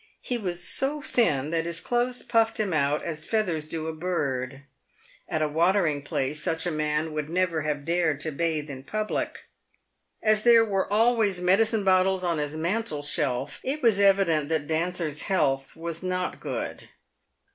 He was so thin, that his clothes puffed him out as feathers do a bird. At a watering place, such a man would never have dared to bathe in public. As there were always medicine bottles on his mantelshelf, it was evident that Dancer's health was not good.